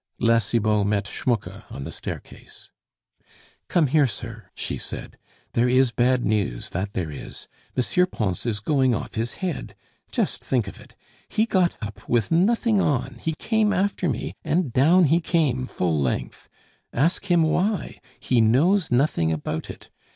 La Cibot met Schmucke on the staircase. "Come here, sir," she said. "There is bad news, that there is! M. Pons is going off his head! Just think of it! he got up with nothing on, he came after me and down he came full length. Ask him why he knows nothing about it.